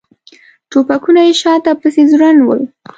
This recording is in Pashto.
ټوپکونه یې شاته پسې ځوړند ول.